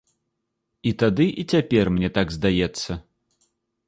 І тады, і цяпер мне так здаецца.